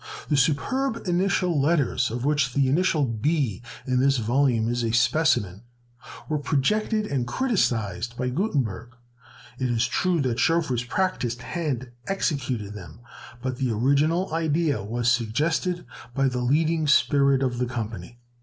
The superb initial letters, of which the initial B in this volume is a specimen, were projected and criticised by Gutenberg. It is true that Schoeffer's practiced hand executed them, but the original idea was suggested by the leading spirit of the company.